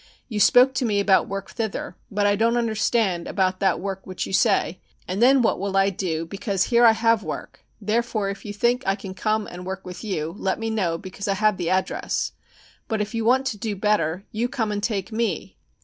You spoke to me about work thither, but I don't understand about that work which you say, and then what will I do because here I have work, therefore, if you think I can come and work with you let me know because I have the address. But if you want to do better you come and take me.